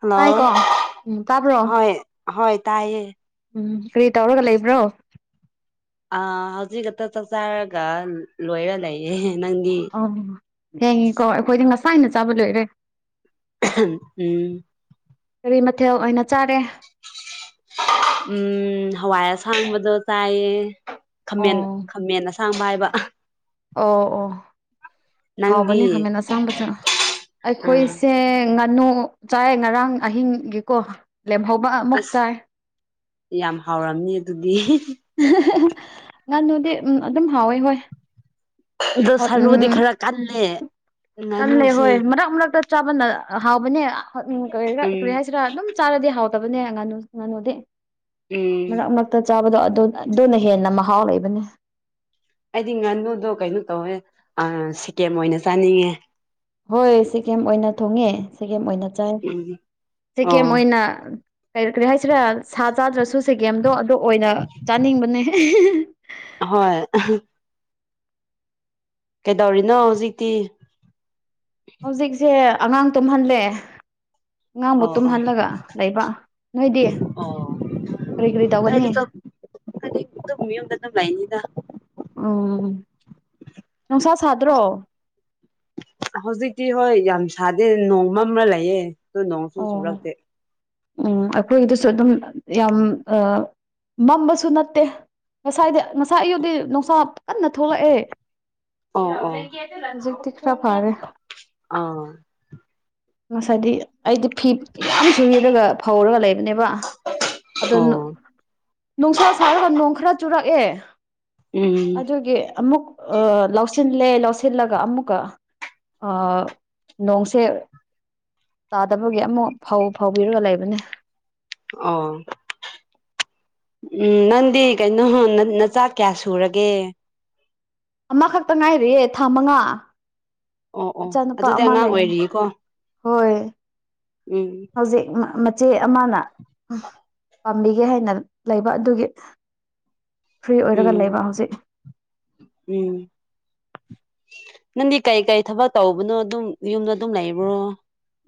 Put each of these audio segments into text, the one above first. Hello ꯇꯥꯏꯀꯣ ꯎꯝ ꯇꯥꯕ꯭ꯔꯣ ꯍꯣꯏ ꯍꯣꯏ ꯇꯥꯏꯌꯦ ꯎꯝ ꯀꯔꯤ ꯇꯧꯔꯒ ꯂꯩꯕ꯭ꯔꯣ ꯑ ꯍꯧꯖꯤꯛ ꯈꯛꯇ ꯆꯥꯛ ꯆꯔꯒ ꯂꯣꯏꯔ ꯂꯩꯌꯦꯦ ꯑꯣ ꯍꯦꯡꯉꯤꯀꯣ ꯑꯩꯈꯣꯏꯗꯤ ꯉꯁꯥꯏꯅ ꯆꯥꯕ ꯂꯣꯏꯔꯦ ꯎꯝ ꯀꯔꯤ ꯃꯊꯦꯜ ꯑꯣꯏꯅ ꯆꯥꯔꯦ ꯎꯝ ꯍꯋꯥꯏ ꯑꯁꯥꯡꯕꯗꯣ ꯇꯥꯏꯌꯦꯥꯃꯦꯟ ꯑꯣ ꯈꯥꯃꯦꯟ ꯁꯥꯡꯕ ꯍꯥꯏꯕ ꯑꯣ ꯑꯣ ꯅꯪꯗꯤ ꯍꯥꯎꯕꯅꯦ ꯈꯥꯃꯦꯟ ꯑꯁꯥꯡꯕꯁ ꯑꯥ ꯑꯩꯈꯣꯏꯁꯦ ꯉ ꯉꯥꯅꯨ ꯆꯥꯏ ꯉꯔꯥꯡ ꯑꯍꯤꯡꯒꯤꯀꯣ ꯂꯦꯝꯍꯧꯕ ꯑꯃꯨꯛ ꯑꯁ ꯆꯥꯏ ꯌꯥꯝ ꯍꯥꯎꯔꯝꯅꯤ ꯑꯗꯨꯗꯤ ꯉꯥꯅꯨꯗꯤ ꯑꯗꯨꯝ ꯍꯥꯎꯋꯦ ꯍꯣꯏ ꯑꯗꯣ ꯑꯣ ꯎꯝ ꯁꯔꯨꯗꯤ ꯈꯔ ꯀꯜꯂꯦ ꯀꯜꯂꯦ ꯉꯥꯅꯨꯁꯦ ꯍꯣꯏ ꯃꯔꯛ ꯃꯔꯛꯇ ꯆꯥꯕꯗ ꯍꯥꯎꯕꯅꯦ ꯎꯝ ꯀꯔꯤ ꯍꯥꯏꯁꯤꯔꯥ ꯑꯗꯨꯝ ꯆꯥꯔꯗꯤ ꯍꯥꯎꯗꯕꯅꯦ ꯉꯥꯅꯨ ꯉꯥꯅꯨꯗꯤ ꯎꯝ ꯃꯔꯛ ꯃꯔꯛꯇ ꯆꯥꯕꯗꯣ ꯑꯗꯨꯅ ꯍꯦꯟꯅ ꯃꯍꯥꯎ ꯂꯩꯕꯅꯤ ꯑꯩꯗꯤ ꯉꯥꯅꯨꯗꯣ ꯀꯩꯅꯣ ꯇꯧꯋꯦ ꯁꯤꯀꯤꯦꯝ ꯑꯣꯏꯅ ꯆꯥꯅꯤꯡꯉꯦ ꯍꯣꯏ ꯁꯤꯦꯒꯦꯝ ꯑꯣꯏꯅ ꯊꯣꯡꯉꯦ ꯆꯦꯒꯦꯝ ꯑꯣꯏꯅ ꯆꯥꯏ ꯎꯝ ꯑꯣ ꯁꯦꯀꯦꯝ ꯑꯣꯏꯅ ꯀꯔꯤ ꯀꯔꯤ ꯍꯥꯏꯁꯤꯔꯥ ꯁꯥ ꯆꯥꯗ꯭ꯔꯁꯨ ꯁꯦꯒꯦꯝꯗꯣ ꯑꯗꯨ ꯑꯣꯏꯅ ꯑꯥꯅꯤꯡꯕꯅꯦ ꯍꯣꯏ ꯀꯩꯗꯧꯔꯤꯅꯣ ꯍꯧꯖꯤꯛꯇꯤ ꯍꯧꯖꯤꯛꯁꯦ ꯑꯉꯥꯡ ꯇꯨꯝꯍꯜꯂꯦ ꯑꯉꯥꯡꯕꯨ ꯑꯣ ꯑꯣ ꯇꯨꯝꯍꯜꯂꯒ ꯂꯩꯕ ꯅꯣꯏꯗꯤ ꯀꯔꯤ ꯀꯔꯤ ꯇꯧꯒꯅꯤ ꯍꯥꯏꯗꯤ ꯍꯥꯏꯗꯤ ꯑꯗꯨꯝ ꯌꯨꯝꯗ ꯑꯗꯨꯝ ꯂꯩꯅꯤꯅ ꯎꯝ ꯅꯨꯡꯁꯥ ꯁꯥꯗ꯭ꯔꯣ ꯍꯧꯖꯤꯛꯇꯤ ꯍꯣꯏ ꯌꯥꯝ ꯁꯥꯗꯦ ꯅꯣꯡꯃ ꯑꯃ ꯂꯩꯌꯦꯦ ꯑꯣ ꯅꯍꯁꯨꯁꯔꯛꯗꯦ ꯎꯝ ꯑꯩꯈꯣꯏꯗꯁꯨ ꯑꯗꯨꯝ ꯌꯥꯝ ꯃꯝꯕꯁꯨ ꯅꯠꯇꯦ ꯉꯁꯥꯏꯗꯤ ꯉꯁꯥꯏ ꯑꯌꯨꯗꯤ ꯅꯨꯡꯁꯥ ꯀꯟꯅ ꯊꯣꯛꯂꯛꯑꯦ ꯑꯣ ꯑꯣ ꯍꯧꯖꯤꯛꯇꯤ ꯈꯔ ꯐꯥꯔꯦ ꯑꯥ ꯍꯥꯏꯗꯤ ꯑꯩꯗꯤ ꯐꯤ ꯌꯥꯝ ꯁꯨꯔꯒ ꯐꯧꯔꯒ ꯂꯩꯕꯅꯦꯕ ꯑꯣ ꯑꯗꯨꯗ ꯅꯨꯡꯁꯥ ꯁꯥꯔꯒ ꯅꯣꯡ ꯈꯔ ꯆꯨꯔꯛꯑꯦ ꯎꯝ ꯑꯗꯨꯒꯤ ꯑꯃꯨꯛ ꯑ ꯂꯧ ꯂꯧꯁꯤꯜꯂꯦ ꯂꯧꯁꯤꯜꯂꯒ ꯑꯃꯨꯛꯀ ꯅꯣꯡꯁꯦ ꯇꯥꯗꯕꯒꯤ ꯑꯃꯨꯛ ꯐ ꯐꯥꯎꯤꯔꯒ ꯂꯩꯕꯅꯦ ꯑꯣ ꯎꯝ ꯅꯪꯗꯤ ꯀꯩꯅꯣ ꯅꯆꯥꯥꯛ ꯀꯌꯥ ꯁꯨꯔꯒꯦ ꯑꯃꯈꯛꯇ ꯉꯥꯏꯔꯤꯌꯦꯦ ꯊꯥ ꯃꯉꯥ ꯑꯣ ꯑꯣ ꯏꯆꯥꯅꯨꯄꯥ ꯑꯗꯨꯗꯤ ꯑꯃ ꯑꯉꯥꯡ ꯂꯩꯦ ꯑꯣꯏꯔꯤꯀꯣ ꯍꯣꯏ ꯎꯝ ꯍꯧꯖꯤꯦ ꯏꯆꯦ ꯑꯃꯅ ꯄꯥꯝꯕꯤꯒꯦ ꯍꯥꯏꯅ ꯂꯩꯕ ꯑꯗꯨꯒꯤ ꯐ꯭ꯔꯤ ꯑꯣꯏꯔꯒ ꯎꯝ ꯂꯩꯕ ꯍꯧꯖꯤꯛ ꯎꯝ ꯅꯪꯗꯤ ꯀꯩ ꯀꯩ ꯊꯕꯛ ꯇꯧꯕꯅꯣ ꯑꯗꯨꯝ ꯌꯨꯝꯗ ꯑꯗꯨꯝ ꯂꯩꯕ꯭ꯔꯣ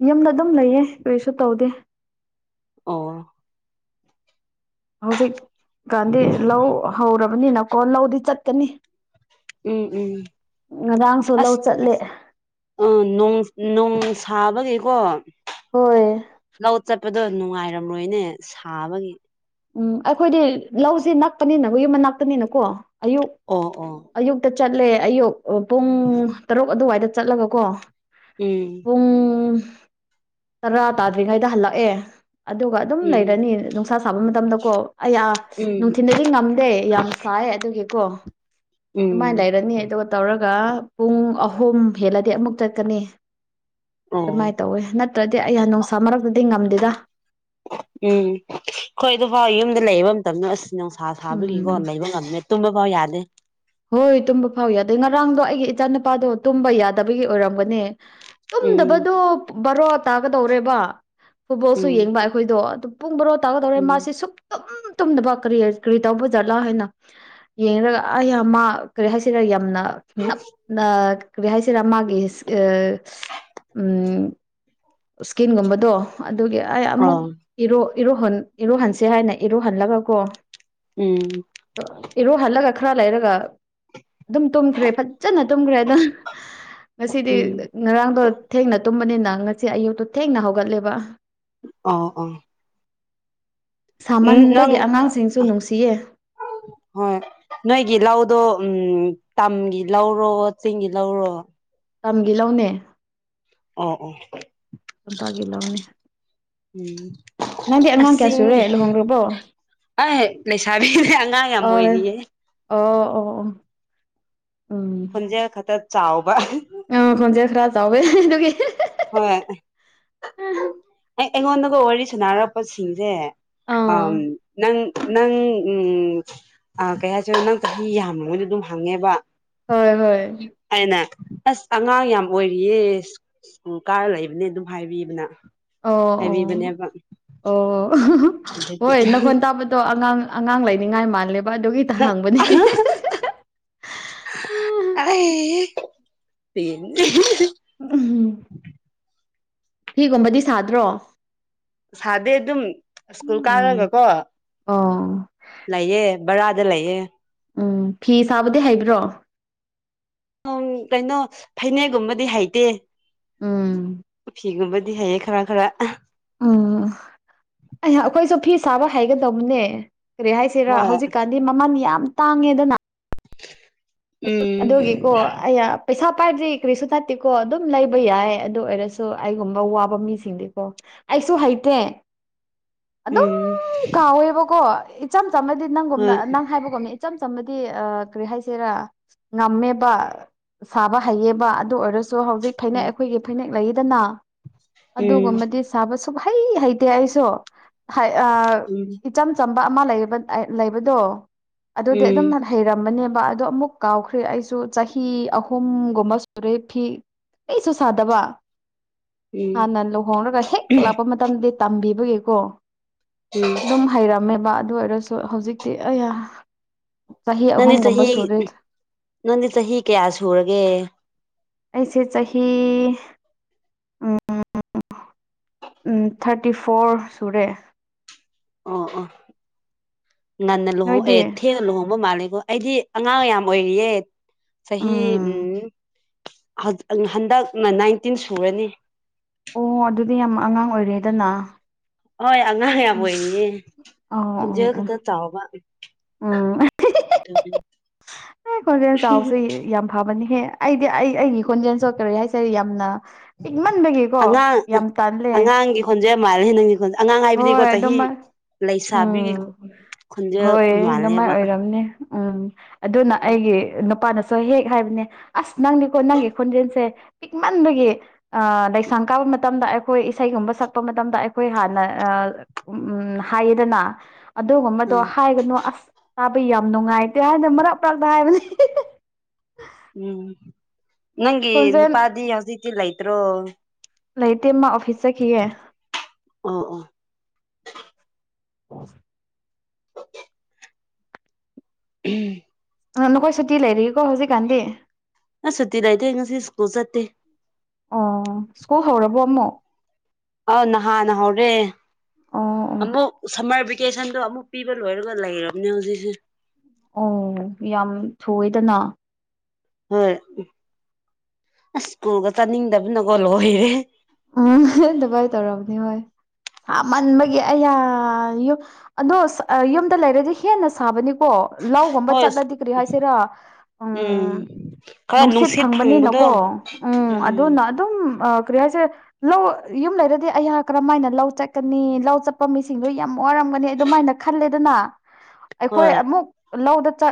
ꯌꯨꯝꯗ ꯑꯗꯨꯝ ꯂꯩꯌꯦ ꯀꯩꯁꯨ ꯇꯧꯗꯦ ꯑꯣ ꯍꯧꯖꯤꯛꯀꯥꯟꯗꯤ ꯂꯧ ꯍꯧꯔꯕꯅꯤꯅꯀꯣ ꯂꯧꯗꯤ ꯆꯠꯀꯅꯤ ꯎꯝ ꯎꯝ ꯉꯔꯥꯡꯁꯨ ꯂꯧ ꯑꯁ ꯆꯠꯂꯦ ꯑꯣꯡ ꯅꯣꯡ ꯁꯥꯕꯒꯦ ꯀꯣ ꯍꯣꯏ ꯂꯧ ꯆꯠꯄꯗꯣ ꯅꯨꯡꯉꯥꯏꯔꯝꯔꯣꯏꯅꯦ ꯁꯥꯕꯒꯤ ꯎꯝ ꯑꯩꯈꯣꯏꯗꯤ ꯂꯧꯁꯤ ꯅꯛꯄꯅꯤꯅꯕꯨ ꯌꯨꯝꯕ ꯅꯄꯅꯤꯅꯀꯣ ꯑꯌꯨꯛ ꯑꯣ ꯑꯣ ꯑꯌꯨꯛꯇ ꯆꯠꯂꯦ ꯑꯌꯨꯛ ꯄꯨꯡ ꯇꯔꯨꯛ ꯑꯗꯨꯋꯥꯏꯗ ꯆꯠꯂꯒ ꯀꯣ ꯎꯝ ꯇꯔꯥ ꯇꯥꯗ꯭ꯔꯤꯉꯩꯗ ꯍꯜꯂꯛꯑꯦ ꯑꯗꯨꯒ ꯑꯗꯨꯝ ꯎꯝ ꯂꯩꯔꯅꯤ ꯅꯨꯡꯁꯥ ꯃꯇꯝꯗ ꯀꯣ ꯑꯩ ꯑꯥ ꯎꯝ ꯅꯨꯡꯊꯤꯤꯟꯗꯗꯤ ꯉꯝꯗꯦ ꯌꯥꯝ ꯁꯥꯏ ꯑꯗꯨꯒꯤꯀꯣ ꯑꯗꯨꯃꯥꯏꯅ ꯎꯝ ꯂꯩꯔꯅꯤ ꯑꯗꯨꯒ ꯇꯧꯔꯒ ꯄꯨꯡ ꯑꯍꯨꯝ ꯍꯦꯜꯂꯗꯤ ꯑꯃꯨꯛ ꯆꯠꯀꯅꯤ ꯑꯣ ꯑꯗꯨꯃꯥꯏꯅ ꯇꯧꯋꯤ ꯅꯠꯇ꯭ꯔꯗꯤ ꯑꯩ ꯅꯨꯡꯁꯥ ꯃꯔꯛꯇꯗꯤ ꯉꯝꯗꯦꯗ ꯎꯝ ꯑꯩꯣꯏ ꯑꯗꯨ ꯐꯥꯎ ꯌꯨꯝꯗ ꯂꯩꯕ ꯃꯇꯝꯅꯣ ꯑꯁ ꯅꯨꯡꯁꯥ ꯁꯥꯕꯒꯤꯀꯣ ꯎꯝ ꯂꯩꯕ ꯉꯝꯃꯦ ꯇꯨꯝꯕ ꯐꯥꯎ ꯌꯥꯗꯦ ꯍꯣꯏ ꯇꯨꯝꯕ ꯐꯥꯎ ꯌꯥ ꯑꯗꯩ ꯉꯔꯥꯡꯗꯣ ꯑꯩꯒꯤ ꯏꯆꯥ ꯅꯨꯄꯥꯗꯣ ꯇꯨꯝꯕ ꯌꯥꯗꯕꯒꯤ ꯑꯣꯏꯔꯝꯒꯅꯦ ꯎꯝ ꯇꯨꯝꯗꯕꯗꯣ ꯕꯔꯣ ꯇꯥꯒꯗꯧꯔꯦꯕ ꯐꯨꯠꯕꯣꯜꯁꯨ ꯎꯝ ꯌꯦꯡꯕ ꯑꯩꯈꯣꯏꯗꯣ ꯑꯗꯨ ꯄꯨꯡ ꯕꯔꯣ ꯇꯥꯒꯗꯧꯔꯦ ꯎꯝ ꯃꯥꯁꯤꯦ ꯁꯨꯞꯨꯝ ꯇꯨꯝꯗꯅꯕ ꯀꯔꯤ ꯀꯔꯤ ꯇꯧꯕ ꯖꯥꯠꯂꯥ ꯍꯥꯏꯅ ꯌꯦꯡꯔꯒ ꯑꯩꯃ ꯀꯔꯤ ꯍꯥꯏꯁꯤꯔ ꯌꯥꯝꯅ ꯅꯞ ꯀꯔꯤ ꯍꯥꯏꯁꯤꯔꯥ ꯃꯥꯒꯤ ꯎꯝ ꯏꯁꯀꯤꯟꯒꯨꯝꯕꯗꯣ ꯑꯗꯨꯒꯤ ꯑꯩ ꯑꯃꯨꯛ ꯑꯣ ꯏꯔꯣ ꯏꯔꯨ ꯏꯔꯨꯍꯟꯁꯦ ꯍꯥꯏꯅ ꯏꯔꯨꯍꯜꯂꯒ ꯀꯣ ꯎꯝ ꯏꯔꯣꯍꯜꯂꯒ ꯈꯔ ꯂꯩꯔꯒ ꯑꯗꯨꯝ ꯇꯨꯝꯈ꯭ꯔꯦ ꯐꯖꯅ ꯇꯨꯝꯈ꯭ꯔꯦ ꯑꯗꯨꯅ ꯉꯁꯤꯗꯤ ꯎꯝ ꯉꯔꯥꯡꯗꯣ ꯊꯦꯡꯅ ꯇꯨꯝꯕꯅꯤꯅ ꯉꯁꯤ ꯑꯌꯨꯛꯇꯣ ꯊꯦꯡꯅ ꯍꯧꯒꯠꯂꯦꯕ ꯑ ꯑꯥ ꯎꯝ ꯅꯪ ꯁꯥꯃꯟꯕꯒꯤ ꯑꯉꯥꯡꯁꯤꯡꯁꯨ ꯅꯨꯡꯁꯤꯌꯦ ꯍꯣꯏ ꯅꯣꯏꯒꯤ ꯂꯗꯣ ꯎꯝ ꯇꯝꯒꯤ ꯂꯧꯔꯣ ꯆꯤꯡꯒꯤ ꯂꯧꯔꯣ ꯇꯝꯒꯤ ꯂꯧꯅꯦ ꯑꯣ ꯑꯣ ꯂꯄꯥꯒꯤ ꯂꯧꯅꯦ ꯎꯝ ꯅꯪꯗꯤ ꯑꯉꯥꯡ ꯀꯌꯥ ꯁꯨꯔꯦ ꯂꯨꯍꯣꯡꯈ꯭ꯔꯕꯣ ꯑꯩꯍ ꯂꯩꯁꯥꯕꯤꯁꯦ ꯑꯉꯥꯡ ꯌꯥꯝ ꯑꯣ ꯑꯣꯏꯔꯤꯌꯦꯦ ꯑꯣ ꯑꯣ ꯎꯝ ꯈꯣꯟꯖꯦꯜ ꯈꯛꯇ ꯆꯥꯎꯕ ꯈꯔꯥ ꯆꯥꯎꯋꯦ ꯑꯗꯨꯒꯤ ꯍꯣꯏ ꯑꯩ ꯑꯩꯉꯣꯟꯗꯒ ꯋꯥꯔꯤ ꯁꯥꯟꯅꯔꯛꯄꯁꯤꯡꯁꯦ ꯑ ꯑꯥ ꯅꯪ ꯅꯪ ꯎꯝ ꯀꯩ ꯍꯥꯏꯁꯤꯔ ꯅꯪ ꯆꯍꯤ ꯌꯥꯝꯃꯉꯩꯗ ꯑꯗꯨꯝ ꯍꯪꯉꯦꯕ ꯍꯣꯏ ꯍꯣꯏ ꯑꯩꯅ ꯑꯁ ꯑꯉꯥꯡ ꯌꯥꯝ ꯑꯣꯏꯔꯤꯌꯦ ꯁ꯭ꯀꯨꯜ ꯀꯥꯔ ꯂꯩꯕꯅꯦ ꯑꯗꯨꯝ ꯍꯥꯏꯕꯤꯕꯅ ꯑꯣ ꯑꯣ ꯍꯥꯏꯕꯤꯕꯅꯦꯕ ꯑꯣ ꯑꯗꯨꯗꯤ ꯍꯣꯏ ꯅ ꯈꯣꯟ ꯇꯥꯕ ꯇ ꯑꯉꯥꯡ ꯑꯉꯥꯡ ꯂꯩꯅꯤꯡꯉꯥꯏ ꯃꯥꯜꯂꯦ ꯕꯥꯗꯨꯒꯤ ꯇ ꯍꯥꯡꯕꯅꯤ ꯎ [unintelligible] [unintelligible] ꯎꯝ ꯐꯤꯒꯨꯝꯕꯗꯤ ꯁꯥꯗ꯭ꯔꯣ ꯁꯥꯗꯤꯩ ꯑꯗꯨꯝ ꯁ꯭ꯀꯨꯜ ꯎꯝ ꯀꯥꯔꯒꯀꯣ ꯑꯣ ꯂꯩꯌꯦ ꯕꯔꯥꯗ ꯂꯩꯌꯦ ꯎꯝ ꯐꯤ ꯁꯥꯕꯗꯤ ꯍꯩꯕ꯭ꯔꯣ ꯎꯝ ꯀꯩꯅꯣ ꯐꯅꯦꯛꯒꯨꯝꯕꯗꯤ ꯍꯩꯇꯦ ꯎꯝ ꯗꯦ ꯍꯥꯏꯌꯦ ꯈꯔꯥ ꯈꯔ ꯎꯝ ꯑꯩꯍ ꯑꯩꯈꯣꯏꯁꯨ ꯐꯤ ꯁꯥꯕ ꯍꯥꯏꯒꯗꯧꯕꯅꯦ ꯀꯔꯤ ꯍꯥꯏꯁꯤꯔꯥ ꯍꯣꯏ ꯍꯧꯖꯤꯛꯀꯥꯟꯗꯤ ꯃꯃꯜ ꯌꯥꯝ ꯇꯥꯡꯉꯦꯗꯅ [inaudible] ꯑꯗꯨꯒꯤꯀꯣ ꯎꯝ ꯑꯩꯅ ꯄꯩꯁꯥ ꯄꯥꯏꯗ꯭ꯔꯤ ꯀꯔꯤꯁꯨ ꯊꯠꯇꯦꯀꯣ ꯑꯗꯨꯝ ꯂꯩꯕ ꯌꯥꯏ ꯑꯗꯨ ꯑꯣꯏꯔꯁꯨ ꯑꯩꯒꯨꯝꯕ ꯋꯥꯕ ꯃꯤꯁꯤꯡꯗꯤꯀꯣ ꯑꯩꯁꯨ ꯍꯩꯇꯦ ꯑꯗꯨꯝ ꯎꯝ ꯀꯥꯎꯋꯦꯕꯀꯣ ꯏꯆꯝ ꯆꯝꯃꯗꯤ ꯅꯪꯒꯨꯝꯅ ꯍꯣꯏ ꯅꯪ ꯍꯥꯏꯕꯒꯨꯝꯝꯅꯤ ꯏꯆꯝ ꯆꯝꯃꯗꯤ ꯑ ꯀꯔꯤ ꯍꯥꯏꯁꯦꯔꯥ ꯉꯝꯃꯦꯕ ꯁꯥꯕ ꯍꯩꯌꯦꯕ ꯑꯗꯨ ꯑꯣꯏꯔꯁꯨ ꯍꯧꯖꯤꯛ ꯐꯅꯦꯛ ꯎꯝ ꯑꯩꯈꯣꯏꯒꯤ ꯐꯅꯦꯛ ꯂꯩ ꯗꯅ ꯎꯝ ꯑꯗꯨꯒꯨꯝꯕꯗꯤ ꯁꯥꯕ ꯁ ꯍꯩ ꯍꯩꯇꯦ ꯑꯩꯁꯨ ꯎꯝ ꯏꯆꯝ ꯆꯝꯕ ꯑꯃ ꯂꯩꯕꯗꯣ ꯑꯗꯨꯗꯤ ꯑꯗꯨꯝ ꯎꯝ ꯍꯩꯔꯝꯕꯅꯦꯕ ꯑꯗꯣ ꯑꯃꯨꯛ ꯀꯥꯎꯈ꯭ꯔꯦ ꯑꯩꯁꯨ ꯆꯍꯤ ꯑꯍꯨꯝꯒꯨꯝꯕ ꯁꯨꯔꯦ ꯐꯤ ꯑꯩꯁꯨ ꯁꯥꯗꯕ ꯎꯝ ꯍꯥꯟꯅ ꯂꯨꯍꯣꯡꯔꯒ ꯍꯦꯛ ꯂꯥꯛꯄ ꯃꯇꯝꯗꯗꯤ ꯇꯝꯕꯤꯕꯒꯤꯀꯣ ꯎꯝ ꯑꯗꯨꯝ ꯍꯩꯔꯝꯃꯦꯕ ꯑꯗꯨ ꯑꯣꯏꯔꯁꯨ ꯍꯧꯖꯤꯛꯇꯤ ꯑꯩ ꯆꯍꯤ ꯅꯪꯗꯤ ꯑꯍꯨꯝꯒꯨꯝꯕ ꯆꯍꯤ ꯁꯨꯨꯔꯠ ꯅꯪꯗꯤ ꯆꯍꯤ ꯀꯌꯥ ꯁꯨꯔꯒꯦ ꯑꯩꯁꯦ ꯆꯍꯤꯍꯤ ꯎꯝ ꯎꯝ ꯊꯥꯔꯇꯤ ꯐꯣꯔ ꯁꯨꯔꯦ ꯑꯣ ꯑꯣ ꯅꯅ ꯂꯨꯍꯣ ꯅꯣꯏꯗꯤ ꯏꯊꯦ ꯂꯨꯍꯣꯡꯕ ꯃꯥꯦ ꯑꯣ ꯑꯩꯗꯤ ꯑꯉꯥꯡ ꯌꯥꯝꯌꯥꯝ ꯑꯣꯏꯔꯤꯌꯦ ꯆꯍꯤ ꯎꯝ ꯎꯝ ꯍꯟꯗꯛꯅ ꯅꯥꯏꯟꯇꯤꯟ ꯁꯨꯔꯅꯤ ꯑꯣ ꯑꯗꯨꯗꯤ ꯌꯥꯝ ꯑꯉꯥꯡ ꯑꯣꯏꯔꯦꯗꯅ ꯍꯣꯏ ꯑꯉꯥꯡ ꯌꯥꯝ ꯎꯝ ꯑꯣꯏꯔꯤꯌꯦ ꯑꯧ ꯎꯝ ꯈꯣꯟꯖꯦꯜ ꯎꯝ ꯈꯛꯇ ꯆꯥꯎꯕ ꯇꯕꯤ ꯑꯦ ꯈꯣꯟꯖꯦꯜ ꯆꯥꯎꯁꯦ ꯌꯥꯝ ꯐꯕꯅꯤꯍꯦ ꯑꯩꯗꯤ ꯑꯩ ꯑꯩꯒꯤ ꯈꯣꯟꯖꯦꯜꯁꯨ ꯀꯔꯤ ꯍꯥꯏꯁꯦ ꯌꯥꯝꯅ ꯄꯤꯛꯃꯟꯕꯒꯤꯀꯣ ꯌꯥꯝ ꯇꯜꯂꯦ ꯑꯗꯨ ꯃꯥꯜꯂꯦ ꯅꯪ ꯈꯦ ꯑꯉꯥꯡ ꯍꯥꯏꯕꯗꯤꯀꯣ ꯍꯣꯏ ꯆꯍꯤ ꯑꯗꯨꯃꯥꯏ ꯂꯩꯁꯥꯕꯤꯒꯤ ꯎꯝ ꯈꯟꯖ ꯍꯣꯏ ꯑꯗꯨꯃꯥꯏ ꯃꯥꯜꯂꯦꯕ ꯑꯣꯏꯔꯝꯅꯤ ꯎꯝ ꯑꯗꯨꯅ ꯑꯩꯒꯤ ꯅꯨꯄꯥꯅ ꯍꯦꯛ ꯍꯥꯏꯕꯅꯦ ꯑꯁ ꯅꯪꯗꯤꯀꯣ ꯅꯪꯒꯤ ꯈꯣꯟꯖꯦꯜꯁꯦ ꯄꯤꯛꯃꯟꯕꯒꯤ ꯂꯩꯁꯥꯡ ꯀꯥ ꯃꯇꯝꯗ ꯑꯩꯈꯣꯏ ꯏꯁꯩꯒꯨꯝꯕ ꯁꯛꯄ ꯃꯇꯝꯗ ꯑꯩꯈꯣꯏ ꯍꯥꯟꯅ ꯎ ꯎ ꯍꯥꯏꯌꯦꯗꯅ ꯑꯗꯨꯒꯨꯝꯕꯗꯣ ꯎꯝ ꯍꯥꯏꯒꯅꯨ ꯑꯁ ꯇꯥꯕꯩ ꯌꯥꯝ ꯅꯨꯡꯉꯥꯏꯇꯦ ꯍꯥꯏꯅ ꯃꯔꯛꯄꯛꯛꯇ ꯍꯥꯏꯕꯅꯤ ꯎꯝ ꯅꯪꯒꯤ ꯈꯣꯟꯖꯦꯜ ꯅꯨꯄꯥꯗꯤ ꯍꯁꯇꯂꯥꯏꯇ꯭ꯔꯣ ꯂꯩꯇꯦꯃ ꯑꯣꯐꯤꯁ ꯆꯠꯈꯤꯌꯦ ꯑꯣ ꯑꯣ ꯑꯣꯏ ꯎꯝ ꯅ ꯅꯈꯣꯏ ꯁꯨꯇꯤ ꯂꯩꯔꯤꯒꯀꯣ ꯍꯧꯖꯤꯛ ꯀꯥꯟꯗꯤ ꯑ ꯁꯇꯤꯗꯥꯏ ꯍ ꯁꯤ ꯀꯣꯜꯁꯠꯇꯦ ꯑꯣ ꯁ꯭ꯀꯨꯜ ꯍꯧꯔꯕꯣ ꯑꯃꯃꯛ ꯑ ꯅꯍꯥꯟꯅ ꯍꯧꯔꯦ ꯑꯣ ꯑꯣ ꯑꯃꯨꯛ ꯁꯝꯃꯔ ꯀꯦꯁꯟꯗꯣ ꯑꯃꯨꯛ ꯄꯤꯕ ꯂꯣꯏꯔꯒ ꯂꯩꯔꯕꯅꯦ ꯍꯧꯖꯤꯛꯁꯦ ꯑꯣ ꯌꯥꯝ ꯊꯑꯦꯗꯅ ꯍꯣꯏ ꯎ ꯑꯁ ꯁ꯭ꯀꯨꯜꯒ ꯆꯥꯅꯤꯡꯗꯕꯅꯀꯣ ꯂꯣꯏꯔꯦ ꯎꯝ ꯑꯗꯨꯕꯥꯥꯏ ꯇꯧꯔꯕꯅꯤ ꯍꯣꯏ ꯍꯥ ꯃꯟꯕꯒꯤ ꯑꯌꯥ ꯑꯗꯣ ꯌꯨꯝꯗ ꯂꯩꯔꯗꯤ ꯍꯦꯟꯅ ꯁꯥꯕꯅꯤ ꯀꯣ ꯂꯧꯒꯨꯝꯕ ꯍꯣꯏ ꯆꯠꯂꯗꯤ ꯀꯔꯤ ꯍꯥꯏꯁꯤꯔꯥ ꯎꯝ ꯈꯔ ꯅꯨꯡꯁꯤꯠ ꯐꯪꯕꯅꯤꯅ ꯐꯪꯕꯗꯣ ꯀꯣ ꯎꯝ ꯑꯗꯨꯅ ꯑꯗꯨꯝ ꯀ꯭ꯔꯤꯌꯥꯁꯦ ꯂꯧ ꯌꯨꯝ ꯂꯩꯔꯗꯤ ꯑꯩꯍꯥꯛ ꯀꯔꯝꯃ ꯍꯥꯏꯅ ꯂꯧ ꯆꯠꯀꯅꯤ ꯂꯧ ꯆꯠꯄ ꯃꯤꯁꯤꯡꯗꯣ ꯌꯥꯝ ꯋꯥꯔꯝꯒꯅꯤ ꯑꯗꯨꯃꯥꯏꯅ ꯅ ꯈꯜꯂꯦꯗꯅ ꯑꯩꯈꯣꯏ ꯍꯣꯏ ꯑꯃꯨꯛ ꯂꯧꯗ ꯆ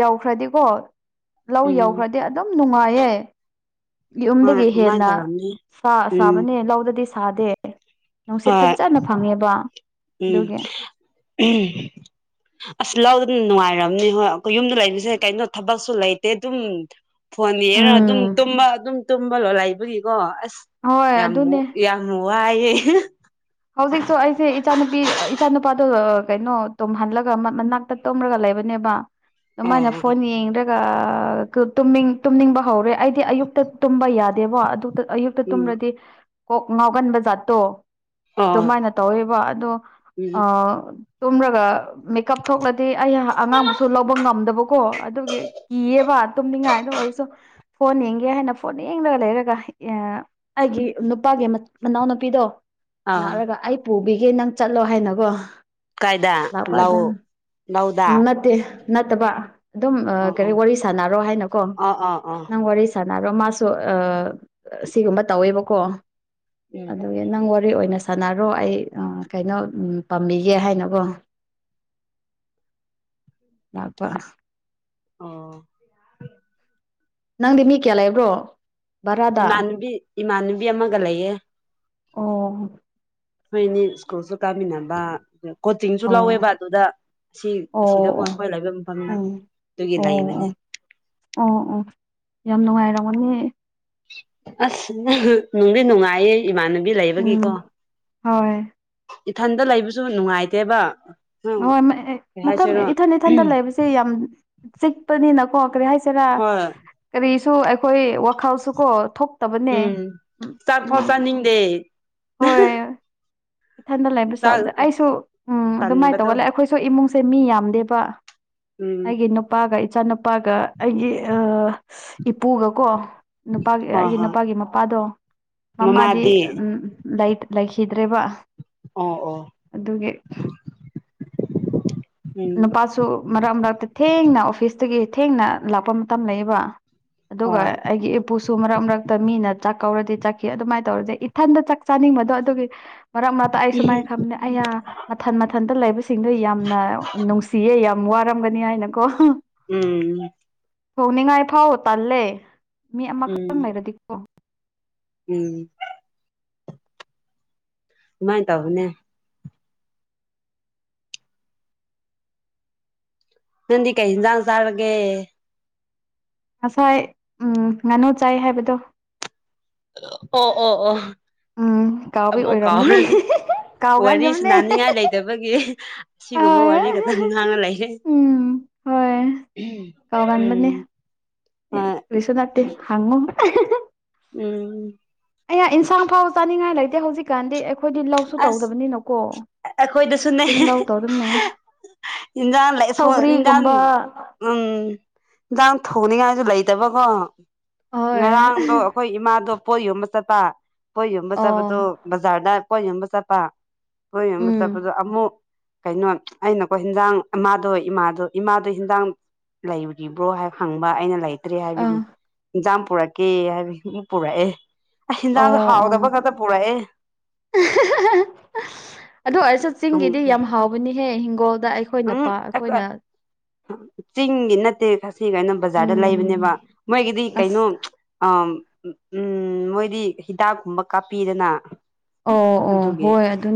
ꯌꯧꯈ꯭ꯔꯗꯤꯀꯣ ꯂꯧ ꯎꯝ ꯌꯧꯈ꯭ꯔꯗꯤ ꯑꯗꯨꯝ ꯅꯨꯡꯉꯥꯏꯌꯦ ꯍꯣꯏ ꯌꯨꯝꯗꯒꯤ ꯑꯗꯨꯃꯥꯏꯅ ꯍꯦꯟꯅ ꯇꯧꯔꯝꯅꯤ ꯁꯥ ꯎꯝ ꯁꯥꯕꯅꯦ ꯂꯧꯗꯗꯤ ꯁꯥꯗꯦ ꯅꯨꯡꯁꯤꯠ ꯍꯣꯏ ꯐꯖꯅ ꯐꯪꯉꯦꯕ ꯎꯝ ꯑꯗꯨꯒꯤ ꯑꯁ ꯂ ꯑꯗꯨꯝ ꯅꯨꯡꯉꯥꯏꯔꯝꯅꯤ ꯍꯣꯏ ꯑꯩꯈꯣꯏ ꯌꯨꯝꯗ ꯂꯩꯔꯤꯁꯦ ꯀꯩꯅꯣ ꯊꯕꯛꯁꯨ ꯂꯩꯇꯦ ꯑꯗꯨꯝ ꯐꯣꯟꯅꯤꯅ ꯑꯗꯨꯝ ꯎꯝ ꯇꯨꯝꯕ ꯑꯗꯨꯝ ꯇꯨꯝꯕ ꯂꯣ ꯂꯩꯕꯒꯤꯀꯣ ꯑꯁ ꯍꯣꯏ ꯌꯥꯝꯃ ꯑꯗꯨꯅꯦ ꯌꯥꯝꯃꯨ ꯋꯥꯏꯦ ꯍꯧꯖꯤꯛꯁꯨ ꯑꯩꯁꯦ ꯏꯆꯥꯅꯨꯄꯤ ꯏꯆꯥꯅꯨꯄꯥꯗꯣ ꯀꯩꯅꯣ ꯇꯨꯝꯍꯜꯂꯒ ꯃꯅꯥꯛꯇ ꯇꯨꯝꯂꯒ ꯂꯩ ꯍꯥꯏꯕꯅꯦꯕ ꯑꯗꯨꯃꯥꯏꯅ ꯑꯣ ꯐꯣꯟ ꯌꯦꯡꯗ꯭ꯔꯒ ꯇꯨꯝꯅꯤꯡꯕ ꯍꯧꯔꯦ ꯑꯩꯗꯤ ꯑꯌꯨꯛꯇ ꯇꯨꯝꯕ ꯌꯥꯗꯦꯕꯣ ꯑꯗꯨ ꯑꯌꯨꯛꯇ ꯎꯝ ꯇꯨꯝꯔꯗꯤ ꯀꯣꯛ ꯉꯥꯎꯒꯟꯕ ꯖꯥꯠꯇꯣ ꯑꯣ ꯑꯗꯨꯃꯥꯏꯅ ꯇꯧꯋꯦꯕ ꯑꯗꯣ ꯑ ꯎꯝ ꯇꯨꯝꯔꯒ ꯃꯦꯀꯞ ꯊꯣꯛꯂꯗꯤ ꯑꯩ ꯑꯉꯥꯡꯕꯁꯨ ꯂꯧꯕ ꯉꯝꯗꯕꯀꯣ ꯑꯗꯨꯒꯤ ꯀꯤꯌꯦꯕ ꯇꯨꯝꯅꯤꯡꯉꯥꯏ ꯑꯗꯨ ꯑꯣꯏꯔꯁꯨ ꯐꯣꯟ ꯌꯦꯡꯒꯦ ꯍꯥꯏꯅ ꯐꯣꯟ ꯌꯦꯡꯂꯒ ꯂꯩꯔꯒ ꯑꯩꯒꯤ ꯅꯨꯄꯥꯒꯤ ꯃꯅꯥꯎꯅꯨꯄꯤꯗꯣ ꯑꯥ ꯂꯥꯛꯂꯒ ꯑꯩ ꯄꯨꯕꯤꯒꯦ ꯅꯪ ꯆꯠꯂꯣ ꯍꯥꯏꯅꯒꯣ ꯀꯥꯏꯗ ꯂꯧ ꯂꯥꯛꯄꯥꯗꯅ ꯂꯧꯗ ꯎ ꯅꯠꯇ ꯅꯠꯇꯕ ꯑꯗꯨꯝ ꯑꯣ ꯀꯔꯤ ꯑꯣ ꯋꯥꯔꯤ ꯁꯥꯥꯟꯅꯔꯣ ꯍꯥꯏꯅꯀꯣ ꯑꯣ ꯑꯣ ꯑꯣ ꯅꯪ ꯋꯥꯔꯤ ꯁꯥꯅ ꯔꯣ ꯃꯥꯁꯨ ꯁꯤꯒꯨꯝꯕ ꯇꯧꯋꯦꯕꯀꯣ ꯎꯝ ꯑꯗꯨꯒꯤ ꯅꯪ ꯋꯥꯔꯤ ꯑꯣꯏꯅ ꯁꯅꯔꯣ ꯑꯩ ꯀꯩꯅꯣ ꯄꯥꯝꯕꯤꯒꯦ ꯍꯥꯏꯅꯀꯣ ꯄ ꯑꯣ ꯅꯪꯗꯤ ꯃꯤ ꯀꯌꯥ ꯂꯩꯕ꯭ꯔꯣ? ꯚꯔꯥꯗ ꯏꯃꯥꯟꯅꯕꯤ ꯏꯃꯥꯟꯅꯕꯤ ꯑꯃꯒ ꯂꯩꯌꯦ ꯑꯣ ꯍꯣꯏꯅꯤ ꯁ꯭ꯀꯨꯜꯁꯨ ꯀꯥꯃꯤꯟꯅꯕ ꯀꯣꯆꯤꯡꯁꯨ ꯑꯣ ꯂꯧꯋꯦꯕ ꯑꯗꯨꯗ ꯑꯁꯤ ꯑꯁꯤꯗꯕꯨ ꯑꯣ ꯑꯣ ꯑꯩꯈꯣꯏ ꯂꯩꯐꯝ ꯃꯐꯝ ꯎꯝ ꯑꯗꯨꯒꯤ ꯑꯣ ꯑꯣ ꯂꯩꯕꯅꯤ ꯑꯣ ꯑꯣ ꯌꯥꯝ ꯅꯨꯡꯉꯥꯏꯔꯝꯒꯅꯦ ꯑꯁꯪ ꯅꯨꯡꯗꯤ ꯅꯨꯡꯉꯥꯏꯌꯦ ꯏꯃꯥꯟꯅꯕꯤ ꯂꯩꯕꯒꯤꯀꯣ ꯎꯝ ꯍꯣꯏ ꯏꯊꯟꯗ ꯂꯩꯕꯁꯨ ꯅꯨꯡꯉꯥꯏꯇꯦꯕ ꯀꯩ ꯍꯣꯏ ꯃ ꯍꯥꯏꯁꯤꯔꯣ ꯏꯊꯟ ꯏꯊꯟꯗ ꯂꯩꯕꯕꯁꯤꯦ ꯌꯥꯝ ꯆꯤꯛꯄꯅꯤꯅꯀꯣ ꯀꯔꯤ ꯍꯥꯏ ꯍꯣꯏ ꯀꯔꯤꯁꯨ ꯑꯩꯈꯣꯏ ꯋꯥꯈꯜꯁꯨ ꯀꯣ ꯊꯣꯛ ꯎꯝ ꯆꯔ ꯐꯥꯎ ꯆꯥꯅꯤꯡꯗꯦ ꯍꯣꯏ ꯏꯊꯟꯗ ꯂꯩꯕ ꯆꯥꯛ ꯆꯠꯁꯦ ꯑꯩꯁꯨ ꯎꯝ ꯑꯗꯨꯃꯥꯏꯅ ꯇꯟꯕꯗꯣ ꯇꯧꯒ ꯂꯩ ꯑꯩꯈꯣꯏꯁꯨ ꯏꯃꯨꯡꯁꯦ ꯃꯤ ꯌꯥꯝꯗꯦꯕ ꯎꯝ ꯑꯩꯒꯤ ꯅꯨꯄꯥꯒ ꯏꯆꯥꯅꯨꯄꯥꯒ ꯑꯩꯒꯤ ꯏꯄꯨꯒ ꯀꯣ ꯅꯨꯄꯥꯒꯤ ꯍꯣꯏ ꯑꯩꯒꯤ ꯍꯣꯏ ꯅꯨꯄꯥꯒꯤ ꯃꯄꯥꯗꯣ ꯃꯃꯥꯗꯤ ꯎꯝ ꯂꯩꯈꯤꯗ꯭ꯔꯦꯕ ꯑꯣ ꯑꯣ ꯑꯗꯨꯒꯤ ꯎꯝ ꯅꯨꯄꯥꯁꯨ ꯃꯔꯛ ꯃꯔꯛꯇ ꯊꯦꯡꯅ ꯑꯣꯐꯤꯁꯇꯒꯤ ꯊꯦꯡꯅ ꯂꯥꯛꯄ ꯃꯇꯝ ꯂꯩꯕ ꯑꯗꯨꯒ ꯍꯣꯏ ꯑꯩꯒꯤ ꯏꯄꯨꯁꯨ ꯃꯔꯛ ꯃꯔꯛꯇ ꯃꯤꯅ ꯆ ꯀꯧꯔꯗꯤ ꯆꯠꯈꯤ ꯑꯗꯨꯃꯥꯏꯅ ꯇꯧꯔꯗꯤꯦ ꯏꯊꯟꯗ ꯆꯥꯛ ꯆꯥꯅꯤꯡꯕꯗꯣ ꯑꯗꯨꯒꯤ ꯃꯔꯛ ꯃꯔꯛꯇ ꯑꯩ ꯁꯨꯃꯥꯏꯅ ꯈꯝꯗ ꯑꯩꯅ ꯃꯊꯟ ꯃꯊꯟꯇ ꯂꯩꯕꯁꯤꯡꯗꯣ ꯌꯥꯝꯅ ꯅꯨꯡꯁꯤꯌꯦ ꯌꯥꯝ ꯋꯥꯔꯝꯒꯅꯤ ꯍꯥꯏꯅꯀꯣ ꯎꯝ ꯍꯣꯡꯅꯤꯡꯉꯥꯏ ꯐꯥꯎꯕ ꯇꯜꯂꯦ ꯃꯤ ꯑꯃꯈꯛꯇ ꯎꯝ ꯂꯩꯔꯗꯤꯀꯣ ꯎꯝ ꯃꯥꯏ ꯇꯕꯅꯦ ꯅꯗꯤ ꯀꯩꯗꯥꯥꯡ ꯁꯥꯔꯕꯒꯦ ꯉꯁꯥꯏ ꯎꯝ ꯉꯥꯅꯨ ꯆꯥꯏ ꯍꯥꯏꯕꯗꯣ ꯑꯣ ꯑꯣ ꯑꯣ ꯎꯝ ꯀꯥꯎꯕꯩ ꯑꯃꯨꯛ ꯑꯣꯏꯔꯝꯒꯅꯤ ꯀꯥꯎꯔꯦ ꯋꯥꯔꯤ ꯀꯥꯎꯒꯒꯨꯝꯅꯦ ꯁꯅꯅꯤꯡꯉꯥꯏ ꯂꯩꯇꯕꯒꯤ ꯑ ꯑꯁꯤꯒꯨꯝꯕ ꯋꯥꯔꯤ ꯈꯛꯇꯪ ꯉꯥꯡꯉ ꯂꯩꯔꯦ ꯎꯝ ꯍꯣꯏ ꯎꯝ ꯍꯣꯏ ꯁꯅꯥꯇꯦ ꯍꯪ ꯎꯝ ꯑꯩꯍ ꯏꯟꯁꯥꯡ ꯐꯥꯎꯕ ꯆꯥꯅꯤꯡꯉꯥꯏ ꯂꯩꯇꯦ ꯍꯧꯖꯤꯛꯀꯥꯟꯗꯤ ꯑꯩꯈꯣꯏꯗꯤ ꯂꯧꯁꯨ ꯑꯁ ꯇꯧꯗꯕꯅꯤꯅꯀꯣ ꯆꯤꯡ ꯂꯧ ꯇꯧꯔꯕꯅꯦ ꯏꯟꯖ ꯂꯩ ꯁ ꯏꯟꯖ ꯎꯝ ꯏꯖ ꯊꯣꯡꯅꯤꯉ ꯁꯨ ꯂꯩꯇꯕꯀꯣ ꯍꯣꯏ ꯉꯔꯥꯡꯗꯣ ꯑꯩꯈꯣꯏ ꯏꯃꯥꯗꯣ ꯄꯣꯠ ꯌꯣꯟꯕ ꯆꯠꯄ ꯀꯣꯏ ꯌꯣꯟꯕ ꯑꯣ ꯆꯠꯄꯗꯣ ꯕꯖꯥꯔꯗ ꯀꯣꯏ ꯌꯣꯟꯕ ꯆꯠꯄ ꯀꯣꯏ ꯌꯣꯟꯕ ꯎꯝ ꯆꯠꯄꯗꯣ ꯑꯃꯨꯛ ꯀꯩꯅꯣ ꯑꯩꯅꯀꯣ ꯍꯤꯟꯖꯥꯡ ꯃꯥꯥꯗꯣ ꯏꯃꯥꯗꯣ ꯏꯃꯥꯗꯣ ꯍꯦꯟꯖꯥꯡ ꯂꯩꯔꯨꯔꯤꯕ꯭ꯔꯣ ꯍꯥꯏꯕ ꯍꯪꯕ ꯑꯩꯅ ꯂꯩ ꯠꯇ꯭ꯔꯦ ꯑꯥ ꯍꯥꯏꯕꯒꯤ ꯏꯟꯖꯥꯡ ꯄꯨꯔꯛꯀꯦ ꯍꯥꯏꯕꯒꯤ ꯑꯃꯛ ꯄꯨꯔꯛꯑꯦ ꯑ ꯍꯤꯟꯖꯥꯡꯗꯣ ꯑꯣ ꯑꯣ ꯍꯥꯎꯗꯕ ꯈꯛꯇ ꯄꯨꯔꯛꯑꯦ ꯑꯗꯨ ꯑꯣꯏꯔꯁꯨ ꯎꯝ ꯆꯤꯡꯒꯤꯗꯤ ꯌꯥꯝ ꯍꯥꯎꯕꯅꯤꯍꯦ ꯏꯤꯡꯒꯣꯜ ꯎꯝ ꯑꯩꯈꯣꯏꯅꯄꯥ ꯑꯩꯈꯣꯏꯅ ꯆꯤꯡꯒꯤ ꯅꯠꯇꯦ ꯈꯁꯤ ꯀꯩꯅꯣ ꯕꯖꯥꯔꯗ ꯎꯝ ꯂꯩꯕꯅꯦꯕ ꯃꯣꯏꯒꯤꯗꯤ ꯀꯩꯅꯣ ꯑꯁ ꯑ ꯎꯝ ꯃꯣꯏꯗꯤ ꯍꯤꯗꯥꯛꯀꯨꯝꯕ ꯀꯥꯞꯄꯤꯗꯅ ꯑꯣ ꯑꯣ ꯑꯗꯨꯒꯤ ꯍꯣꯏ ꯑꯗꯨꯝ